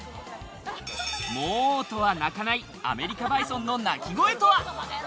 モとは鳴かないアメリカバイソンの鳴き声とは？